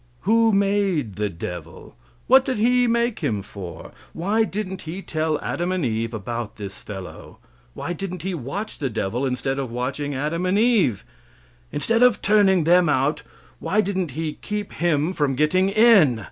Who made the devil? What did He make him for? Why didn't He tell Adam and Eve about this fellow? Why didn't he watch the devil instead of watching Adam and Eve? Instead of turning them out, why didn't He keep him from getting in?